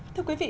thưa quý vị